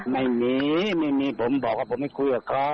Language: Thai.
ไม่มีไม่มีผมบอกว่าผมไม่คุยกับเขา